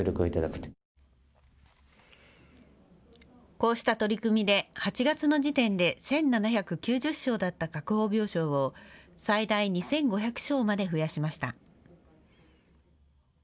こうした取り組みで８月の時点で１７９０床だった確保病床を最大２５００床まで増やしました。